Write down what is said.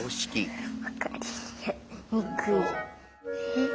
えっ？